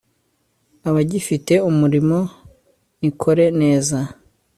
abagifite umurimo nikore neza